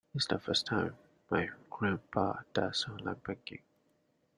It's the first time my grandpa does online banking.